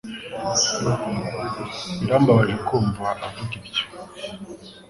Birambabaje kumva uvuga ibyo